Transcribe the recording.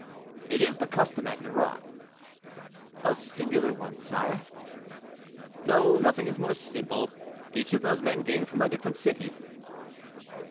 "It is the custom at Nerac." "A singular one, sire." "No, nothing is more simple; each of those men came from a different city."